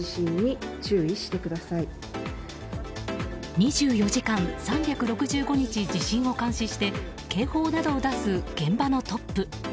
２４時間、３６５日地震を監視して警報などを出す現場のトップ。